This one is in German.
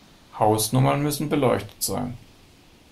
Hausnummern müssen beleuchtet sein.